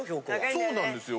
そうなんですよ